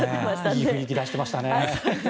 いい雰囲気出していましたね。